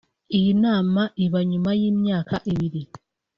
Iyi nama iba nyuma y’imyaka ibiri